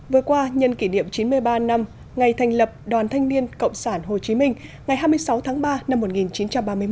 vừa qua nhân kỷ niệm chín mươi ba năm ngày thành lập đoàn thanh niên cộng sản hồ chí minh